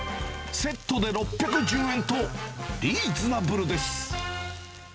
セットで６１０円と、リーズナブルです。